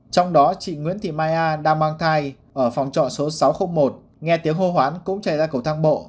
trong đó chị nguyễn thị mai a đang mang thai ở phòng trọ số sáu trăm linh một nghe tiếng hô hoán cũng chạy ra cầu thang bộ